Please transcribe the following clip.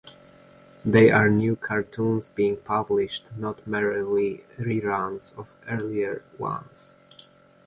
They are new cartoons being published, not merely re-runs of earlier ones.